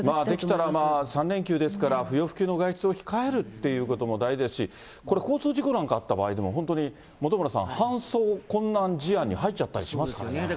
できたら、３連休ですから、不要不急の外出を控えるっていうことも大事ですし、これ交通事故なんかあった場合でも、本当に本村さん、搬送困難事案に入っちゃったりしますかね。